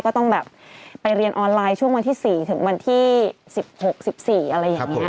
ก็ต้องแบบไปเรียนออนไลน์ช่วงวันที่๔ถึงวันที่๑๖๑๔อะไรอย่างนี้